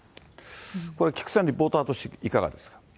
これ、菊池さん、リポーターとしていかがですか。